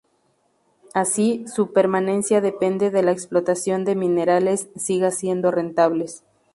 Así, su permanencia depende de la explotación de minerales siga siendo rentable.